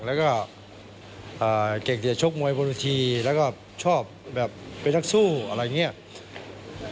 แล้วก็เก่งจะชกมวยบนวิธีแล้วก็ชอบแบบเป็นนักสู้อะไรอย่างนี้